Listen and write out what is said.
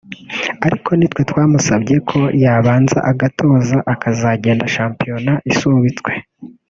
ariko nitwe twamusabye ko yabanza agatoza akazagenda shampiyona isubitswe